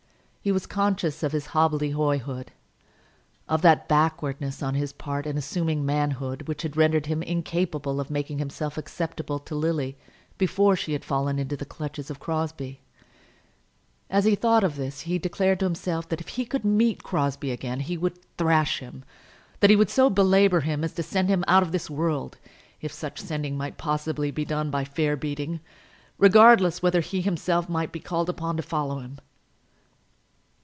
He was conscious of his hobbledehoyhood, of that backwardness on his part in assuming manhood which had rendered him incapable of making himself acceptable to Lily before she had fallen into the clutches of Crosbie. As he thought of this he declared to himself that if he could meet Crosbie again he would again thrash him, that he would so belabour him as to send him out of the world, if such sending might possibly be done by fair beating, regardless whether he himself might be called upon to follow him.